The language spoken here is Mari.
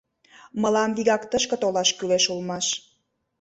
Мылам вигак тышке толаш кӱлеш улмаш...